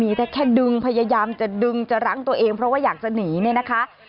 มีแต่แค่ดึงพยายามจะดึงจะรั้งตัวเองเพราะว่าอยากจะหนีเนี่ยนะคะ